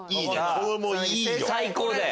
これいいよ。